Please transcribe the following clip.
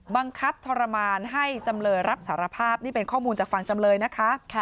บังคับทรมานให้จำเลยรับสารภาพนี่เป็นข้อมูลจากฝั่งจำเลยนะคะ